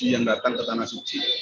ini yang datang ke tanah siji